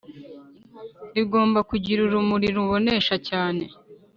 rigomba kugira urumuri rubonesha cyane